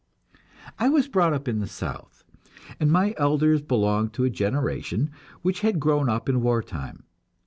I was brought up in the South, and my "elders" belonged to a generation which had grown up in war time.